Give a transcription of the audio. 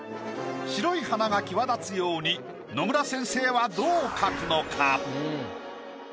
白い花が際立つように野村先生はどう描くのか？